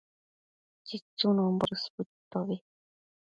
tsitsunombo dësbu chitobi